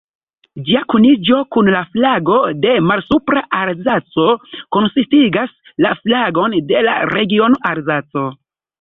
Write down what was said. Ĝia kuniĝo kun la flago de Malsupra-Alzaco konsistigas la flagon de la regiono Alzaco.